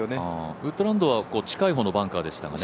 ウッドランドは近い方のバンカーでしたけどね。